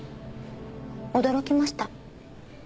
驚きました。